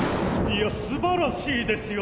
いやすばらしいですよ